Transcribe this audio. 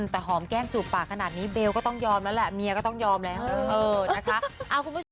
แต่หอมแก้มจูบปากขนาดนี้เบลก็ต้องยอมแล้วแหละเมียก็ต้องยอมแล้วนะคะ